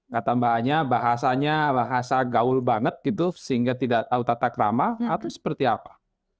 katanya bahasanya bahasa gaul banget gitu sehingga tidak tahu tata krama atau seperti apa